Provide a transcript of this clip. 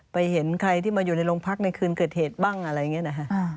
เห็นใครที่มาอยู่ในโรงพักในคืนเกิดเหตุบ้างอะไรอย่างนี้นะฮะ